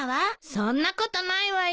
そんなことないわよ。